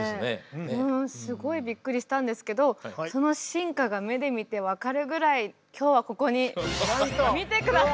うんすごいビックリしたんですけどその進化が目で見て分かるぐらい今日はここに見て下さい。